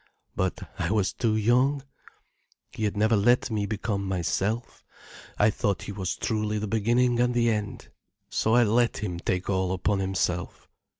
But I was too young, he had never let me become myself, I thought he was truly the beginning and the end. So I let him take all upon himself.